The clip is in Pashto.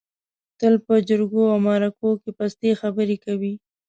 تل په جرګو او مرکو کې پستې خبرې کوي.